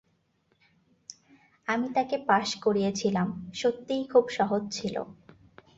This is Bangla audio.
আমি তাকে পাশ করিয়েছিলাম - সত্যিই খুব সহজ ছিল।